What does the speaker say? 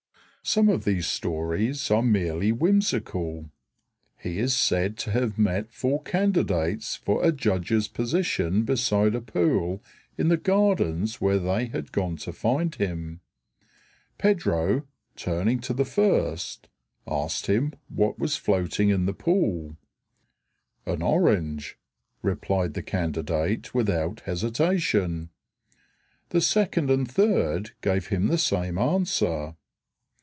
Some of these stories are merely whimsical. He is said to have met four candidates for a judge's position beside a pool in the gardens where they had gone to find him. Pedro, turning to the first, asked him what was floating in the pool. "An orange," replied the candidate without hesitation. The second and third gave him the same answer.